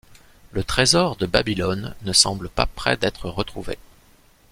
Le trésor de Babylone ne semble pas prêt d'être retrouvé...